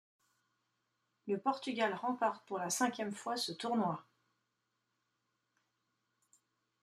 Le Portugal remporte pour la cinquième fois ce tournoi.